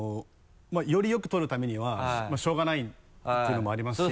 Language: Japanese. よりよく撮るためにはしょうがないっていうのもありますし。